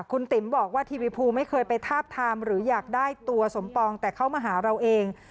คุณติ๋มบอกว่าทีวีภูไม่เคยไปทาบทามหรืออยากได้ตัวสมปองแต่เข้ามาหาเราเอง